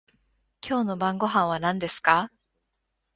今夜の晩御飯は何ですか？